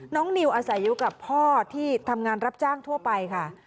นิวอาศัยอยู่กับพ่อที่ทำงานรับจ้างทั่วไปค่ะ